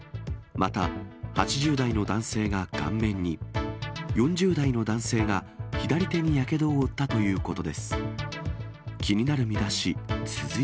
また、８０代の男性が顔面に、４０代の男性が左手にやけどを負ったということです。